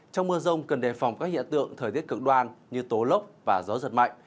trong mưa rông cần đề phòng các hiện tượng thời tiết cực đoan như tố lốc và gió giật mạnh